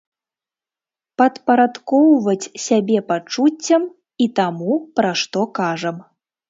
Падпарадкоўваць сябе пачуццям і таму, пра што кажам.